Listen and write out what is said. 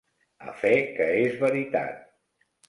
A fe que és veritat!